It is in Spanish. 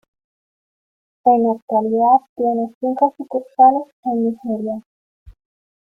En la actualidad tiene cinco sucursales en Nigeria.